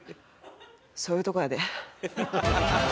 そういうとこやで。